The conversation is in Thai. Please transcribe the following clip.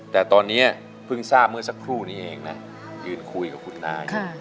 แต่ตอนนี้เพิ่งทราบเมื่อสักครู่นี้เองนะยืนคุยกับคุณนาอยู่